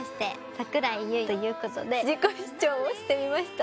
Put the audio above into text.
「櫻井優衣」ということで自己主張をしてみました。